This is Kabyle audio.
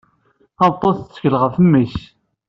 Tameṭṭut tettkel ɣef mmi-s.